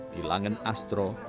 di langen astro